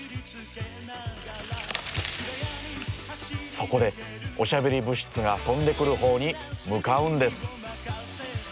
そこでおしゃべり物質が飛んでくるほうに向かうんです。